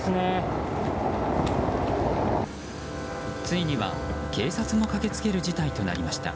ついには警察も駆けつける事態となりました。